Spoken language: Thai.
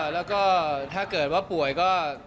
แล้วก็ถ้าเกิดว่าป่วยก็